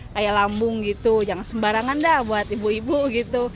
kayak lambung gitu jangan sembarangan dah buat ibu ibu gitu